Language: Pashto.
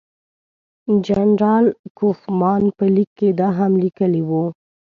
جنرال کوفمان په لیک کې دا هم لیکلي وو.